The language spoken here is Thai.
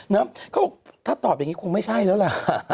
เขาบอกถ้าตอบอย่างนี้คงไม่ใช่แล้วล่ะ